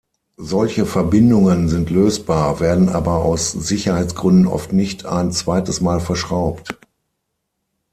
Solche Verbindungen sind lösbar, werden aber aus Sicherheitsgründen oft nicht ein zweites Mal verschraubt.